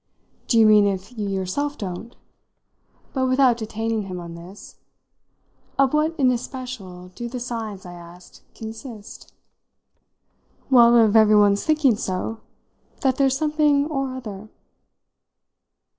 "Do you mean if you yourself don't?" But without detaining him on this, "Of what in especial do the signs," I asked, "consist?" "Well, of everyone's thinking so that there's something or other."